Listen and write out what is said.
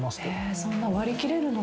そんな割り切れるのかな。